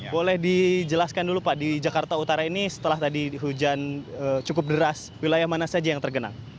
boleh dijelaskan dulu pak di jakarta utara ini setelah tadi hujan cukup deras wilayah mana saja yang tergenang